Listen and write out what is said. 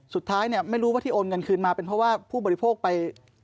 สุดท้ายเนี่ยไม่รู้ว่าที่โอนเงินคืนมาเป็นเพราะว่าผู้บริโภคไป